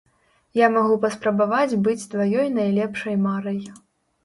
Я магу паспрабаваць быць тваёй найлепшай марай.